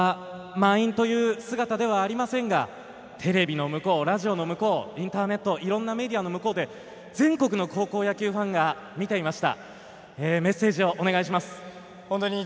このチーム全員３９人で取れた改めて本当に全員野球がスタンドは満員という姿ではありませんがテレビの向こう、ラジオの向こうインターネット、いろんなメディア面の向こうで全国の高校野球ファンが見ていました。